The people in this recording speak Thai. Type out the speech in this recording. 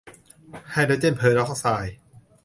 ไฮโดรเจนเปอร์ออกไซด์